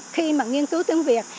khi mà nghiên cứu tiếng việt